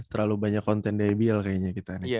terlalu banyak konten di ibl kayaknya kita